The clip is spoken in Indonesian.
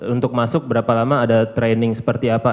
untuk masuk berapa lama ada training seperti apa